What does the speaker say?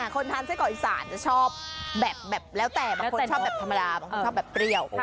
คนทานไส้กรอกอีสานจะชอบแบบแล้วแต่บางคนชอบแบบธรรมดาบางคนชอบแบบเปรี้ยว